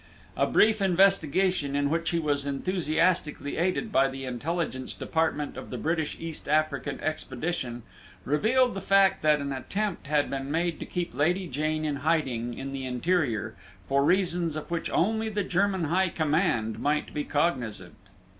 A brief investigation in which he was enthusiastically aided by the Intelligence Department of the British East African Expedition revealed the fact that an attempt had been made to keep Lady Jane in hiding in the interior, for reasons of which only the German High Command might be cognizant.